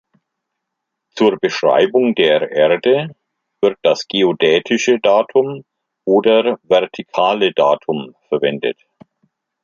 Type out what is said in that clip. Zur Beschreibung der Erde wird das Geodätische Datum oder Vertikale Datum verwendet.